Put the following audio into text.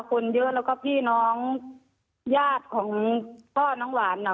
คนเยอะแล้วก็พี่น้องญาติของพ่อน้องหวานน่ะ